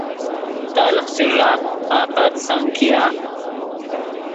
تلخ چے ݱا فقط سنکیا